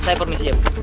saya permisi ya bu